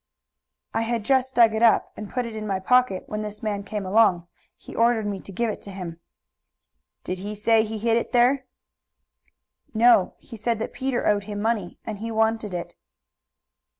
"I had just dug it up and put it in my pocket when this man came along. He ordered me to give it to him." "Did he say he hid it there?" "No. He said that Peter owed him money, and he wanted it."